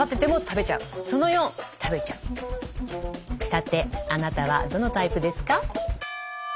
さてあなたはどのタイプですか？